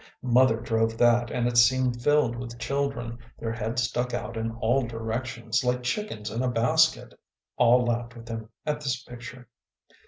Mother drove that and it seemed filled with children, their heads stuck out in all directions like chickens in a basket." All laughed with him at this picture.